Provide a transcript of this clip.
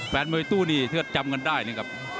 แฟนมวยตู้นี่ถ้าจำกันได้นะครับ